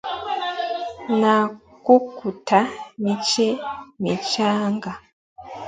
na kukata miche michanga